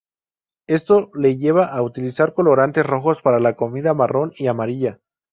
Esto le lleva a utilizar colorantes rojos para la comida marrón y amarilla.